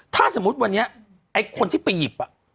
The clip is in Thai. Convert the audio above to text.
ถ้าสมมุติวันนี้ไอ้คนที่ไปหยิบ